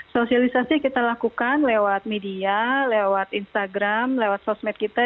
sosialisasi kita lakukan lewat media lewat instagram lewat sosmed kita